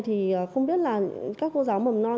thì không biết là các cô giáo viên của trường bầm non tư thuộc